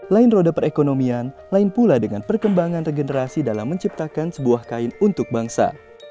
lain roda perekonomian lain pula dengan perkembangan regenerasi dalam menciptakan sebuah kain untuk bangsa